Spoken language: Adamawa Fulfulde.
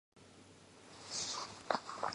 Joli bee sobaajo ɗon tahita maayo.